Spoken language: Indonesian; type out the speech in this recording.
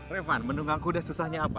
revan mendunggang kuda susahnya apa